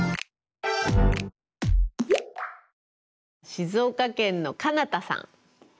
静岡県のかなたさん。